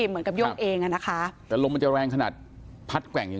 เหมือนกับโย่งเองอ่ะนะคะแต่ลมมันจะแรงขนาดพัดแกว่งอย่าง